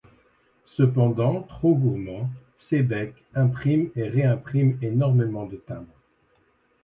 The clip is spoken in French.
Cependant, trop gourmand, Seebeck imprime et réimprime énormément de timbres.